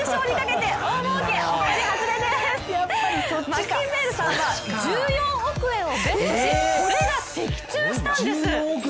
マッキンベールさんは、１４億円をベットし、これが的中したんです！